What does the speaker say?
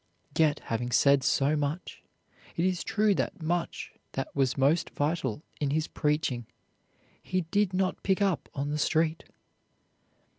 Yet having said so much, it is true that much that was most vital in his preaching he did pick up on the street.